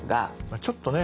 ちょっとね